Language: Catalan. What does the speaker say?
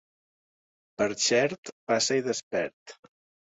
Per Xert, passa-hi despert.